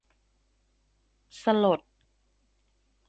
สลด